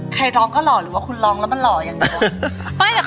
ใครร้องก็หล่อหรือว่าคุณร้องแล้วมันหล่ออย่างเดียว